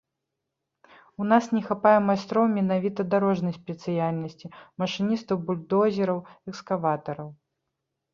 У нас не хапае майстроў менавіта дарожнай спецыяльнасці, машыністаў бульдозераў, экскаватараў.